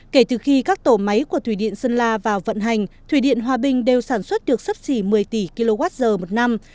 kể từ khi các tổ máy của thủy điện sơn la vào vận hành thủy điện hòa bình đều sản xuất được sắp xỉ một mươi tỷ kwh một năm